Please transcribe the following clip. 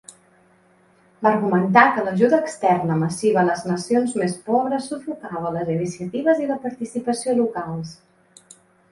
Va argumentar que l'ajuda externa massiva a les nacions més pobres sufocava les iniciatives i la participació locals.